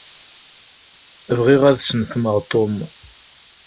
Bɣiɣ ad snetmeɣ Tom.